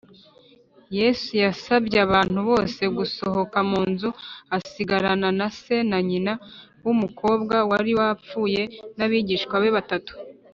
yesu yasabye abantu bose gusohoka mu nzu, asigarana na se na nyina b’umukobwa wari wapfuye, n’abigishwa be batatu